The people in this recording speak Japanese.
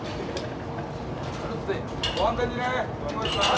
ご安全にね。